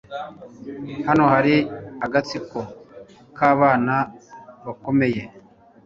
Hano hari agatsiko k'abana bakomeye.